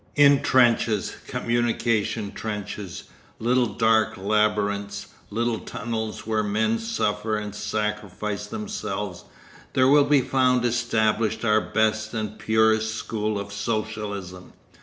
In trenches, communication trenches, little dark labyrinths, little tunnels where men suffer and sacrifice themselves, there will be found established our best and purest school of socialism.